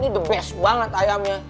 ini the best banget ayamnya